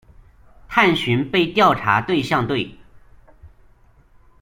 探寻被调查对象对。